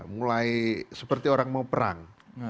mulai seperti orang mau perang